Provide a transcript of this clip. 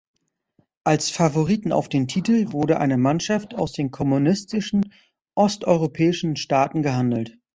Als Favoriten auf den Titel wurde eine Mannschaft aus den kommunistischen Osteuropäischen Staaten gehandelt.